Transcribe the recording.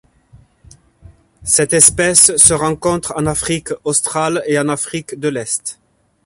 Cette espèce se rencontre en Afrique australe et en Afrique de l'Est.